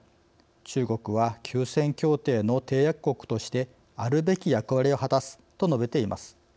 中国は休戦協定の締約国としてあるべき役割を果たす」と述べています。